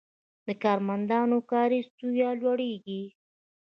د کارمندانو کاري سویه لوړیږي.